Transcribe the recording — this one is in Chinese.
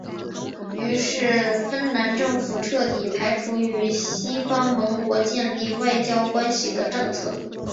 于是芬兰政府彻底排除与西方盟国建立外交关系的政策。